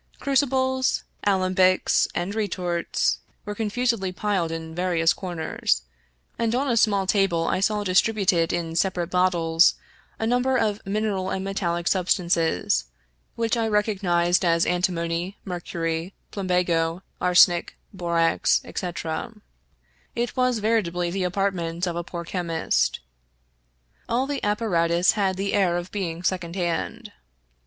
Crucibles, alembics, and retorts were confusedly piled in various comers, and on a small table I saw distributed in separate bottles a number of mineral and metallic substances, which I recognized as antimony, mercury, plumbago, arsenic, borax, etc. It was veritably the apartment of a poor chemist. All the apparatus had the air of being second hand.